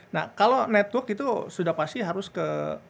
nah kalau network itu sudah pasti harus ke